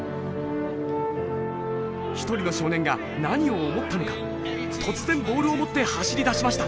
一人の少年が何を思ったのか突然ボールを持って走りだしました。